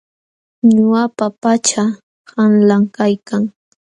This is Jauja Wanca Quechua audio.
Ñuqapa pachaa qanlam kaykan.